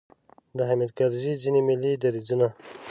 د حامد کرزي ځینې ملي دریځونو.